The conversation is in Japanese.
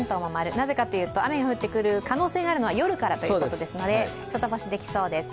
なぜかというと、雨が降ってくる可能性があるのは夜からということですので、外干しできそうです。